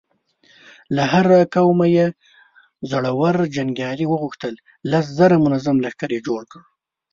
له هر قومه يې زړور جنګيالي وغوښتل، لس زره منظم لښکر يې جوړ کړ.